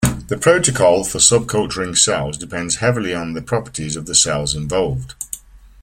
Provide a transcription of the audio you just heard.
The protocol for subculturing cells depends heavily on the properties of the cells involved.